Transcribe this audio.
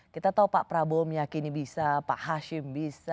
kita tahu pak prabowo meyakini bisa pak hashim bisa